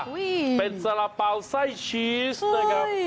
อุ้ยเป็นสระเปาไส้ชีสด้วยครับ